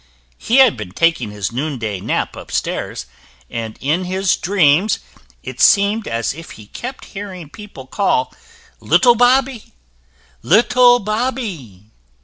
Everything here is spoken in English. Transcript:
He had been taking his noon day nap upstairs, and in his dreams it seemed as if he kept hearing people call "Little Bobby, little Bobby!"